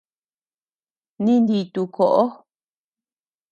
Ninditu koʼo.